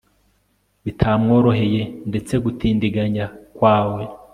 bitamworoheye ndetse gutindiganya kwawe